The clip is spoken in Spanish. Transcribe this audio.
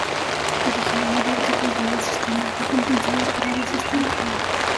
La originalidad que faltaba a sus temas fue compensada por la de su estilo.